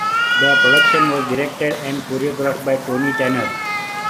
The production was directed and choreographed by Tony Tanner.